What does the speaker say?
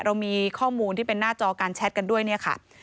เรามีข้อมูลที่เป็นหน้าจอการแชทกันด้วยเนี่ยค่ะ